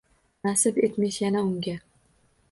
Nasib etmish yana unga